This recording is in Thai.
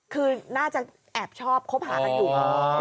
คือน่าจะแอบชอบคบหากันอยู่